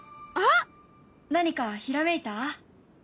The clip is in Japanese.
何かひらめいた？